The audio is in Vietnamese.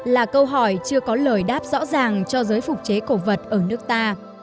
là câu hỏi chưa có lời đáp rõ ràng cho giới phục chế cổ vật ở nước ta